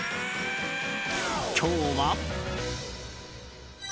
今日は？